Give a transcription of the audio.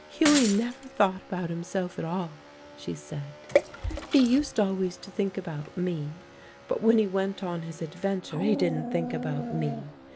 "Hughie never thought about himself at all," she said. "He used always to think about me. But when he went on his adventure he didn't think about me.